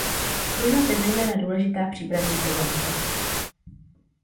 Pružnost je zejména důležitá v přístavních oblastech.